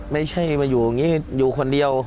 ไม่ใช่มาอยู่อย่างนี้อยู่คนเดียว